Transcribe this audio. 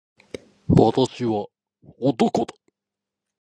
私は男だ。